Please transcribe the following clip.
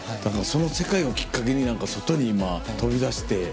その世界をきっかけに外に今飛び出して。